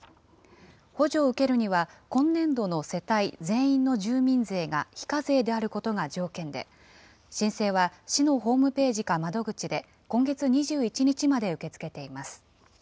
補助を受けるには、今年度の世帯全員の住民税が非課税であることが条件で、申請は市のホームページか窓口で、今月２１日まで受け付けています。